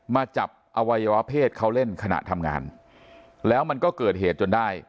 มาจับอวัยวะเพศเขาเล่นขณะทำงานแล้วมันก็เกิดเหตุจนได้